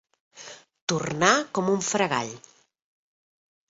Tornar com un fregall.